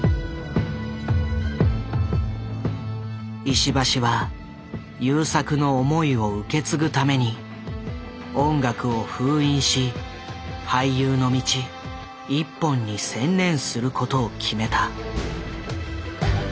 石橋は優作の思いを受け継ぐために音楽を封印し俳優の道一本に専念することを決めた。